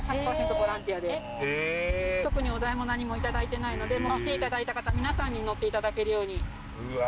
ボランティアで特にお代も何もいただいてないのでもう来ていただいた方みなさんに乗っていただけるようにうわ